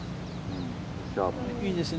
いいですね。